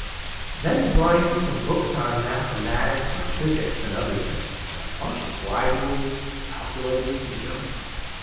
Then he brought in some books on mathematics and physics and other things, and a bunch of slide rules, calculators, and junk.